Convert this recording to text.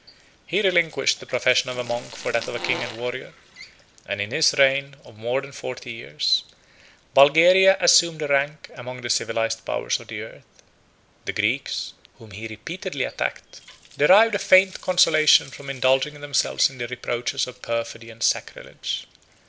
He relinquished the profession of a monk for that of a king and warrior; and in his reign of more than forty years, Bulgaria assumed a rank among the civilized powers of the earth. The Greeks, whom he repeatedly attacked, derived a faint consolation from indulging themselves in the reproaches of perfidy and sacrilege.